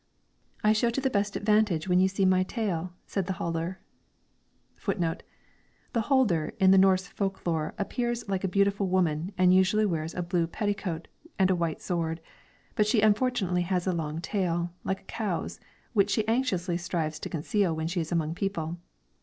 "'I show to the best advantage when you see my tail,' said the hulder." [Footnote 1: The hulder in the Norse folk lore appears like a beautiful woman, and usually wears a blue petticoat and a white sword; but she unfortunately has a long tail, like a cow's, which she anxiously strives to conceal when she is among people.